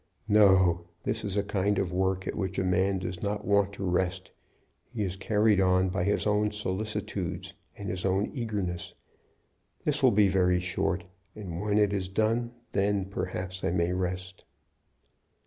"No; this is a kind of work at which a man does not want to rest. He is carried on by his own solicitudes and his own eagerness. This will be very short, and when it is done then, perhaps, I may sleep."